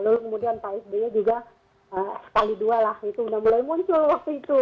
lalu kemudian pak sby juga sekali dua lah itu udah mulai muncul waktu itu